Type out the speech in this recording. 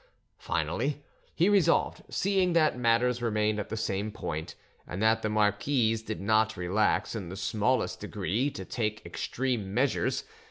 Finally, he resolved, seeing that matters remained at the same point and that the marquise did not relax in the smallest degree, to take extreme measures.